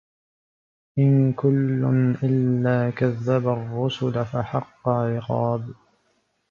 إِن كُلٌّ إِلّا كَذَّبَ الرُّسُلَ فَحَقَّ عِقابِ